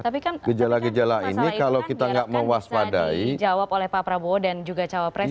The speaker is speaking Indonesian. tapi kan masalah itu kan biarkan bisa dijawab oleh pak prabowo dan juga cawa presnya